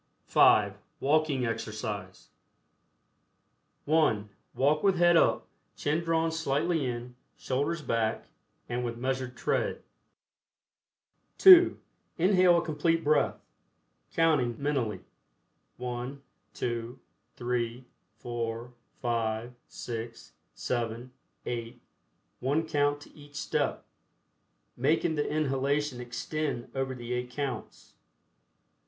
(5) WALKING EXERCISE. (1) Walk with head up, chin drawn slightly in, shoulders back, and with measured tread. (2) Inhale a Complete Breath, counting (mentally) 1, 2, 3, 4, 5, 6, 7, 8, one count to each step, making the inhalation extend over the eight counts.